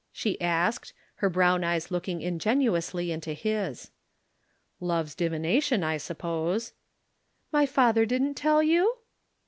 she asked, her brown eyes looking ingenuously into his. "Love's divination, I suppose." "My father didn't tell you?"